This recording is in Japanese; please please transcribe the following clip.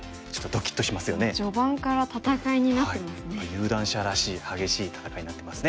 有段者らしい激しい戦いになってますね。